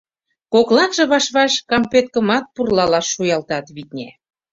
Кокланже ваш-ваш кампеткымат пурлалаш шуялтат, витне.